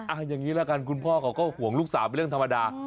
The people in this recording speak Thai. อย่างนี้ละกันคุณพ่อเขาก็ห่วงลูกสาวเป็นเรื่องธรรมดา